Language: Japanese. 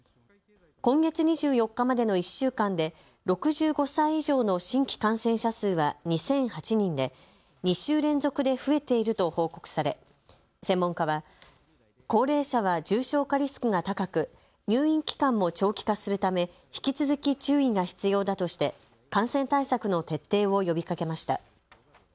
今月２４日までの１週間で６５歳以上の新規感染者数は２００８人で２週連続で増えていると報告され専門家は高齢者は重症化リスクが高く入院期間も長期化するため引き続き注意が必要だとして感染対策の徹底を呼びかけました。